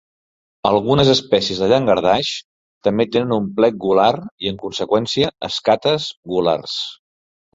Algunes espècies de llangardaix també tenen un plec gular i, en conseqüència, escates gulars.